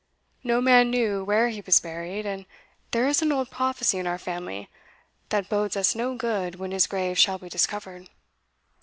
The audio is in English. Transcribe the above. No man knew where he was buried, and there is an old prophecy in our family, that bodes us no good when his grave shall be discovered."